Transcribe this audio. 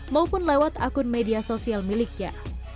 maupun lewat akun media sosial miliknya